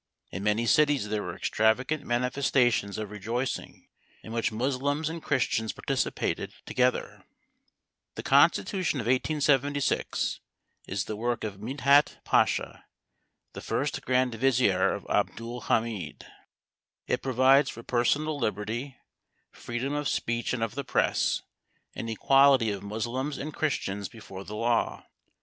In many cities there were extravagant manifestations of rejoicing, in which Moslems and Christians participated together. The constitution of 1876 is the work of Midhat Pasha, the first Grand Vizier of Abdul Hamid. It provides for personal liberty, freedom of speech and of the press, and equality of Moslems and Christians before the law.